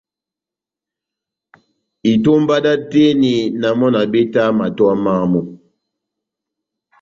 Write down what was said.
Itómba dá oteni, na mɔ́ na betaha ó matowa mámu.